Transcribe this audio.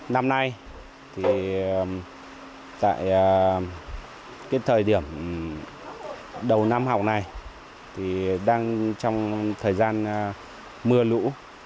năm nay thì tại cái thời điểm đầu năm học này thì đang trong thời gian mưa lũ